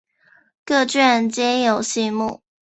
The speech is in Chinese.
各卷皆有细目。